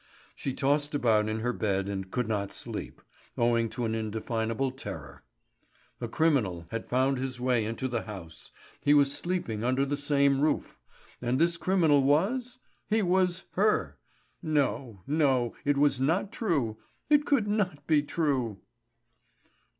She tossed about in her bed and could not sleep, owing to an indefinable terror. A criminal had found his way into the house, he was sleeping under the same roof; and this criminal was he was her No, no, it was not true! It could not be true!